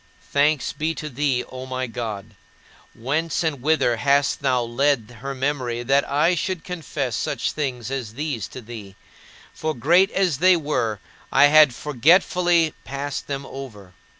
Thanks to thee, O my God. Whence and whither hast thou led my memory, that I should confess such things as these to thee for great as they were, I had forgetfully passed them over?